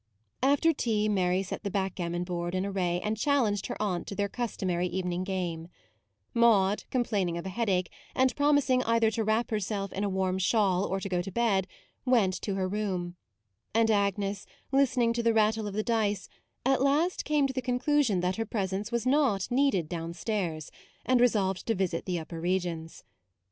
After tea Mary set the back gammon board in array and chal lenged her aunt to their customary evening game: Maude, complaining of a headache, and promising either to wrap herself in a warm shawl or to go to bed, went to her room: and Agnes, listening to the rattle of the dice, at last came to the conclusion that her presence was not needed downstairs, and resolved to visit the upper regions.